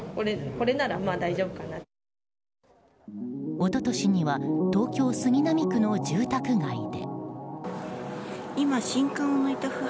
一昨年には東京・杉並区の住宅街で。